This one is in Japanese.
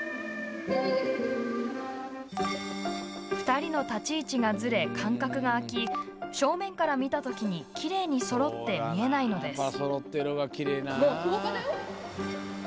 ２人の立ち位置がずれ間隔が空き正面から見た時にきれいそろって見えないのです。